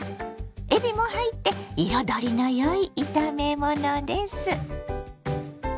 えびも入って彩りのよい炒め物です。